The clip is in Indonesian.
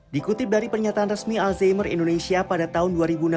dikutip dari pernyataan resmi alzheimer indonesia pada tahun dua ribu enam belas